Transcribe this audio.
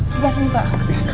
sebelah sini pak